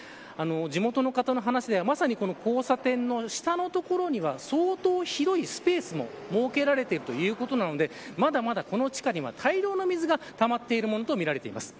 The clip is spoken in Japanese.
地元の方の話ではまさに交差点の下の所には相当、広いスペースも設けられているということなのでまだまだこの地下には大量の水がたまっているものとみられています。